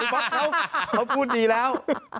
ผมอยากบอกว่าเค้าพูดดีแล้ว